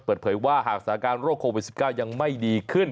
เปิดเผยว่าหากสถานการณ์โรคโควิด๑๙ยังไม่ดีขึ้น